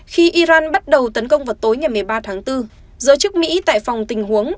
khi iran bắt đầu tấn công vào tối ngày một mươi ba tháng bốn giới chức mỹ tại phòng tình huống